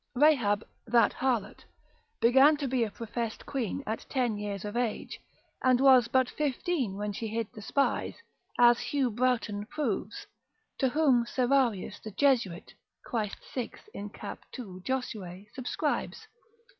Rahab, that harlot, began to be a professed quean at ten years of age, and was but fifteen when she hid the spies, as Hugh Broughton proves, to whom Serrarius the Jesuit, quaest. 6. in cap. 2. Josue, subscribes.